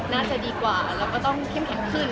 น่าจะดีกว่าแล้วก็ต้องเข้มแข็งขึ้น